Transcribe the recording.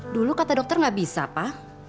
dulu kata dokter gak bisa pak